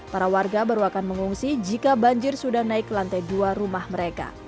para warga baru akan mengungsi jika banjir sudah naik ke lantai dua rumah mereka